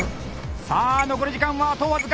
さあ残り時間はあと僅か！